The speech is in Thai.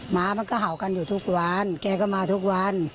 หมามันก็เห่ากันอยู่ทุกวันแกก็มาทุกวัน